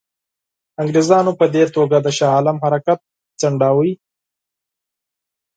انګرېزانو په دې توګه د شاه عالم حرکت ځنډاوه.